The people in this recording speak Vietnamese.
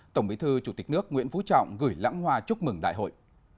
tổng bí thư chủ tịch nước nguyễn phú trọng gửi lãng hoa chúc mừng đại hội